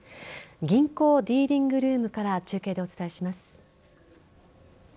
銀行ディーリングルームから中継でお伝えします。